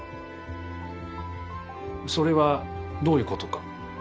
それはどういう事か。